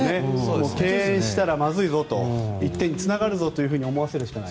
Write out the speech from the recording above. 敬遠したらまずいぞ１点につながるぞと思わせるしかない。